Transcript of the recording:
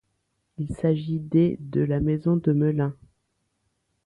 Il s'agit des de la maison de Melun.